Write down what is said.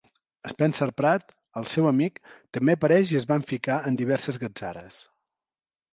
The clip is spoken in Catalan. Spencer Pratt, el seu amic, també apareix i es van ficar en diverses gatzares.